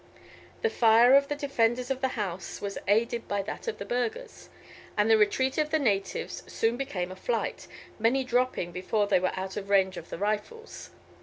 The fire of the defenders of the house was aided by that of the burghers, and the retreat of the natives soon became a flight, many dropping before they were out of range of the rifles.